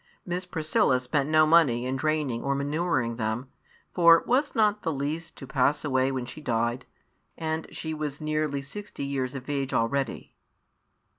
Miss Priscilla spent no money in draining or manuring them; for was not the lease to pass away when she died, and she was nearly sixty years of age already?